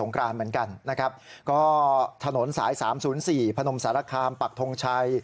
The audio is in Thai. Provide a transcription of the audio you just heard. ก็ถนนสาย๓๐๔พนมสาระคารปากทงชัย